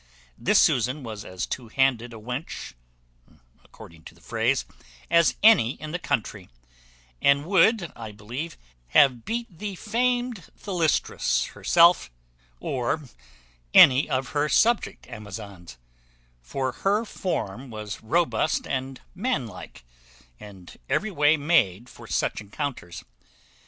This Susan was as two handed a wench (according to the phrase) as any in the country, and would, I believe, have beat the famed Thalestris herself, or any of her subject Amazons; for her form was robust and man like, and every way made for such encounters.